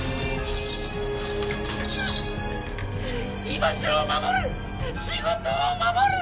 居場所を守る！